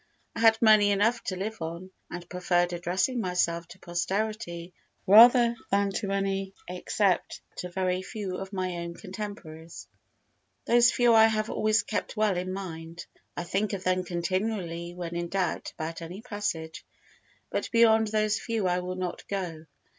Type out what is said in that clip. I had money enough to live on, and preferred addressing myself to posterity rather than to any except a very few of my own contemporaries. Those few I have always kept well in mind. I think of them continually when in doubt about any passage, but beyond those few I will not go.